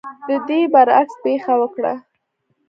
د دې برعکس پېښه وکړه.